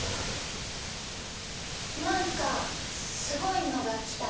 何かすごいのが来たね。